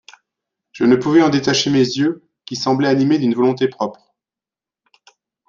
Je ne pouvais en détacher mes yeux, qui semblaient animés d'une volonté propre.